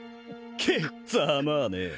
けっざまあねぇ